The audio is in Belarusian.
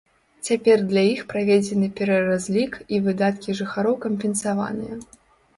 Цяпер для іх праведзены пераразлік, і выдаткі жыхароў кампенсаваныя.